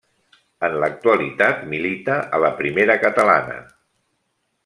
En l'actualitat milita a la Primera Catalana.